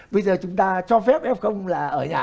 bây giờ chúng ta cho phép f là ở nhà